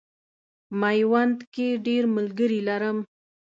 میوند کې ډېر ملګري لرم.